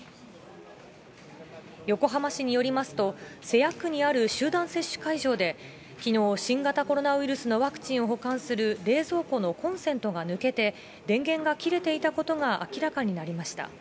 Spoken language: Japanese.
横浜市によりますと、瀬谷区にある集団接種会場で、きのう新型コロナウイルスのワクチンを保管する冷蔵庫のコンセントが抜けて、電源が切れていたことが明らかになりました。